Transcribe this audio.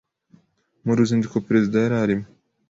Mu ruzinduko Perezida yari arimo